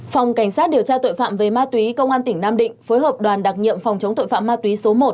phòng cảnh sát điều tra tội phạm về ma túy công an tỉnh nam định phối hợp đoàn đặc nhiệm phòng chống tội phạm ma túy số một